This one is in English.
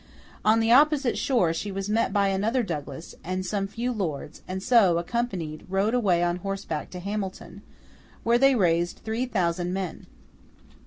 On the opposite shore she was met by another Douglas, and some few lords; and, so accompanied, rode away on horseback to Hamilton, where they raised three thousand men.